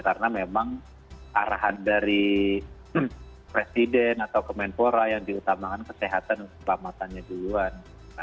karena memang arahan dari presiden atau kementerian pemimpinan yang diutamakan kesehatan dan keselamatannya duluan